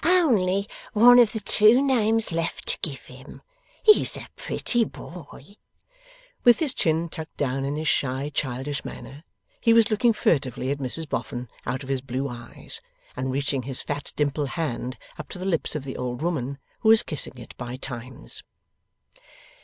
Only one of the two names left to give him! He's a pretty boy.' With his chin tucked down in his shy childish manner, he was looking furtively at Mrs Boffin out of his blue eyes, and reaching his fat dimpled hand up to the lips of the old woman, who was kissing it by times.